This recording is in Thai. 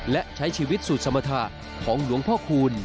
และใช้ชีวิตสูตรสมรรถะของหลวงพ่อคูณ